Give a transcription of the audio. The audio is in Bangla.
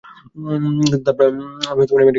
কিন্তু তারপর আমি ম্যানিকে খুঁজে পেলাম।